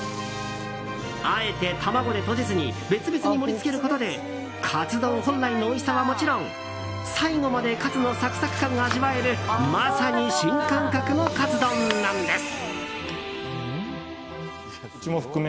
あえて卵でとじずに別々に盛り付けることでカツ丼本来のおいしさはもちろん最後までカツのサクサク感が味わえるまさに新感覚のカツ丼なんです。